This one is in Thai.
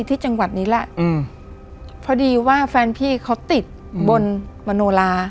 ที่จังหวัดนี้แหละอืมพอดีว่าแฟนพี่เขาติดบนมโนลา